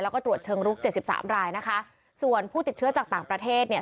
แล้วก็ตรวจเชิงลุกเจ็ดสิบสามรายนะคะส่วนผู้ติดเชื้อจากต่างประเทศเนี่ย